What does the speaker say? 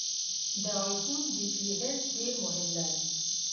د ای فون بټري هلټ ډېر مهم دی.